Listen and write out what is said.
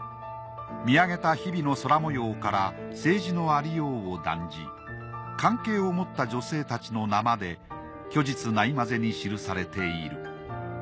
見上げた日々の空模様から政治のありようを談じ関係を持った女性たちの名まで虚実ないまぜに記されている。